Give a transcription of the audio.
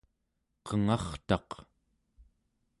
qengartaq